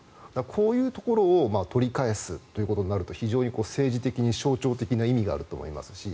こういうところを取り返すとなると非常に政治的に象徴的な意味があると思いますし